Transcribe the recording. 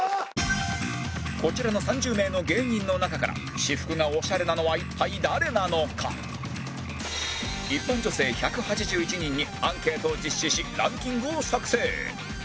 こちらの３０名の芸人の中から私服がオシャレなのは一体誰なのか一般女性１８１人にアンケートを実施しランキングを作成